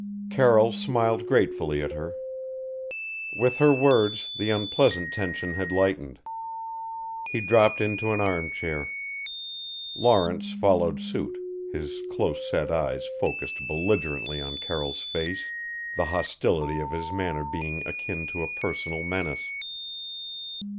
Carroll smiled gratefully at her. With her words the unpleasant tension had lightened. He dropped into an arm chair. Lawrence followed suit, his close set eyes focused belligerently on Carroll's face, the hostility of his manner being akin to a personal menace.